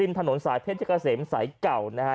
ถนนสายเพชรเกษมสายเก่านะฮะ